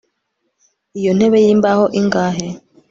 iyo ntebe yimbaho ingahe